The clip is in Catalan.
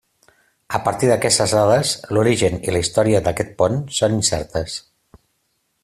A partir d'aquestes dades, l'origen i la història d'aquest pont són incertes.